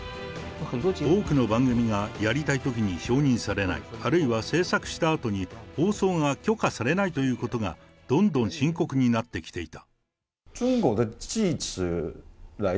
多くの番組がやりたいときに承認されない、あるいは制作したあとに放送が許可されないということが、どんどん深刻になってきていた。